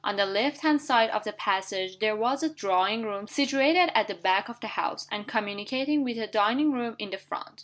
On the left hand side of the passage there was a drawing room situated at the back of the house, and communicating with a dining room in the front.